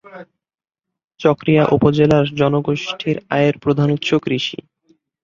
চকরিয়া উপজেলার জনগোষ্ঠীর আয়ের প্রধান উৎস কৃষি।